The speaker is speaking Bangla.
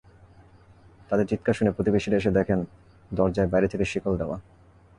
তাঁদের চিৎকার শুনে প্রতিবেশীরা এসে দেখেন দরজায় বাইরে থেকে শিকল দেওয়া।